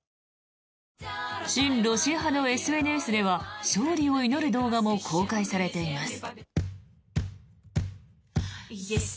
親ロシア派のＳＮＳでは勝利を祈る動画も公開されています。